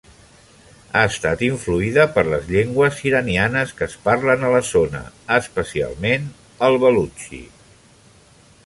Ha estat influïda per les llengües iranianes que es parlen a la zona, especialment el balutxi.